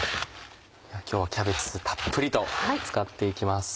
今日はキャベツたっぷりと使って行きます。